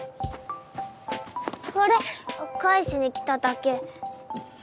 これ返しに来ただけ。